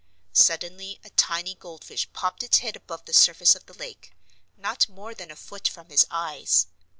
Suddenly a tiny goldfish popped its head above the surface of the lake, not more than a foot from his eyes.